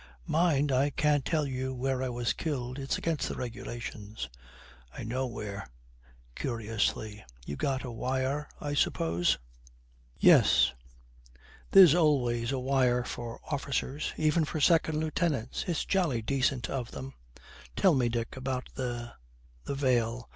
'Mind, I can't tell you where I was killed; it's against the regulations.' 'I know where.' Curiously, 'You got a wire, I suppose?' 'Yes.' 'There's always a wire for officers, even for 2nd Lieutenants. It's jolly decent of them.' 'Tell me, Dick, about the the veil.